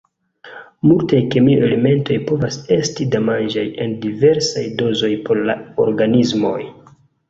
Multaj kemiaj elementoj povas esti damaĝaj en diversaj dozoj por la organismoj.